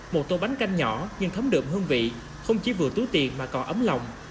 một tô bánh canh nhỏ nhưng thấm đượm hương vị không chỉ vừa túi tiền mà còn ấm lòng